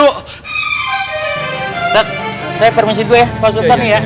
ustadz saya permisi dulu ya pak ustadz ini ya